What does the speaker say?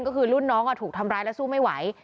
ก็คือรุ่นน้องถูกทำร้ายและสู้ไม่ไหว